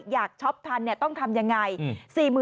ช็อปทันต้องทำยังไง